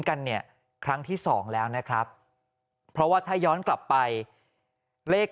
กันเนี่ยครั้งที่สองแล้วนะครับเพราะว่าถ้าย้อนกลับไปเลข